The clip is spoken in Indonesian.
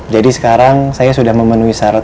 jadi sekarang saya sudah memenuhi syarat